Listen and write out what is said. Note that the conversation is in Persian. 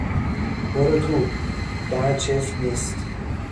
برو تو، در چفت نیست.